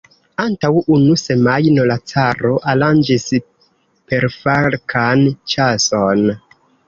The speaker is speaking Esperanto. Antaŭ unu semajno la caro aranĝis perfalkan ĉason!